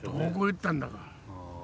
どこ行ったんだか。